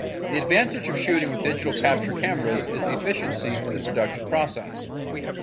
The advantage of shooting with digital-capture cameras is the efficiency in the production process.